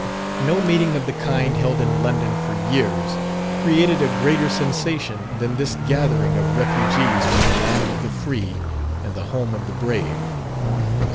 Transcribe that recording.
No meeting of the kind held in London for years created a greater sensation than this gathering of refugees from the "Land of the free, and the home of the brave."